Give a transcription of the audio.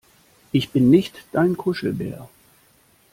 Ich bin nicht dein Kuschelbär!